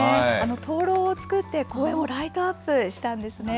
灯籠を作って公園をライトアップしたんですね。